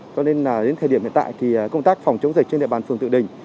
cho nên là đến thời điểm hiện tại thì công tác phòng chống dịch trên địa bàn phường tự đình